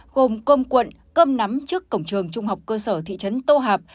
gồm cơm cuộn cơm nắm trước cổng trường trung học cơ sở thị trấn tô hạp